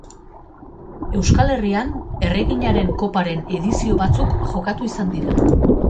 Euskal Herrian Erreginaren Koparen edizio batzuk jokatu izan dira.